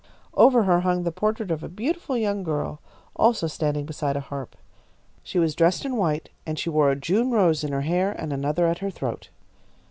Over her hung the portrait of a beautiful young girl, also standing beside a harp. She was dressed in white, and she wore a June rose in her hair and another at her throat.